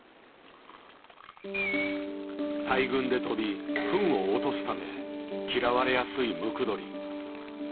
大群で飛びフンを落とすため嫌われやすいムクドリ。